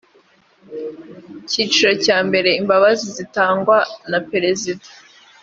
icyiciro cya mbere imbabazi zitangwa na perezida